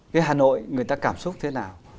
cái hà nội người ta cảm xúc thế nào